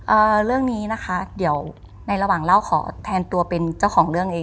เอ่อเรื่องนี้นะคะเดี๋ยวในระหว่างเล่าขอแทนตัวเป็นเจ้าของเรื่องเอง